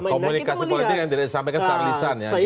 komunikasi politik yang tidak disampaikan secara lisan ya